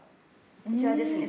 こちらですね